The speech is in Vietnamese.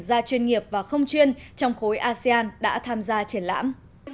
gia chuyên nghiệp và không chuyên trong khối asean đã tham gia triển lãm